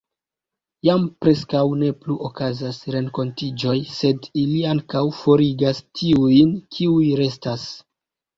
Jam preskaŭ ne plu okazas renkontiĝoj, sed ili ankaŭ forigas tiujn, kiuj restas.